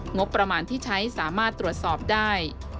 งบประมาณที่ใช้สามารถตรวจสอบได้